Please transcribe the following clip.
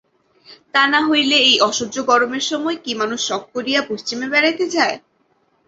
তা না হইলে এই অসহ্য গরমের সময় কি মানুষ শখ করিয়া পশ্চিমে বেড়াইতে যায়।